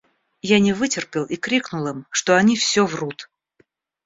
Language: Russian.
Я не вытерпел и крикнул им, что они всё врут.